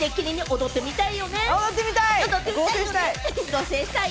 踊ってみたい。